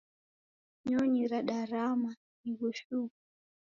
Nyonyi radarama ighu shuu.